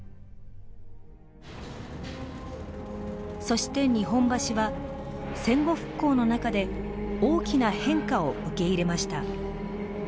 そして日本橋は戦後復興の中で大きな変化を受け入れました。